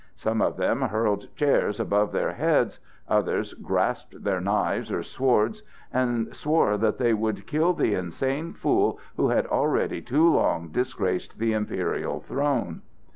Some of them hurled chairs above their heads, others grasped their knives or swords, and swore that they would kill the insane fool who had already too long disgraced the imperial throne.